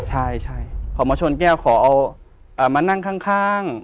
ใช่ขอมาชนแก้วขอเอามานั่งข้าง